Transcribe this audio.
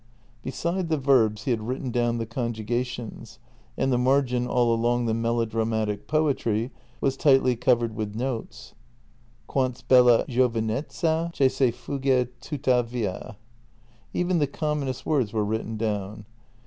Beside the verbs he had written down the conjugations, and the margin all along the melodramatic poetry was tightly covered with notes: Quant's bella giovenezza, che se fugge tuttavia. Even the commonest words were written down.